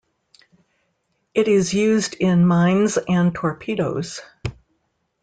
It is used in mines and torpedoes.